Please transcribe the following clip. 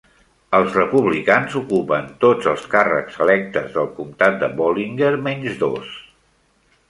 Els republicans ocupen tots els càrrecs electes del comtat de Bollinger menys dos.